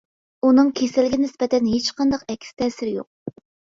ئۇنىڭ كېسەلگە نىسبەتەن ھېچقانداق ئەكس تەسىرى يوق.